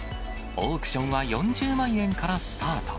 オークションは４０万円からスタート。